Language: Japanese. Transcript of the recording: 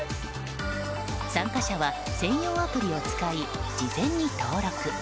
参加者は、専用アプリを使い事前に登録。